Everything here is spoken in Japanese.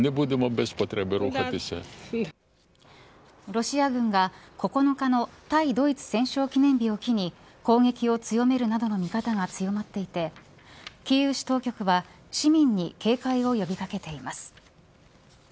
ロシア軍が９日の対ドイツ戦勝記念日を機に攻撃を強めるなどの見方が強まっていてキーウ当局は市民に警戒を呼び掛けています。